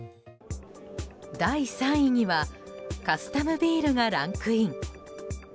第３位にはカスタムビールがランクイン。